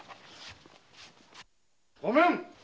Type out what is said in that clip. ごめん！